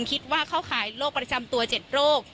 คิดว่าเข้าข่ายโรคประจำตัว๗โรค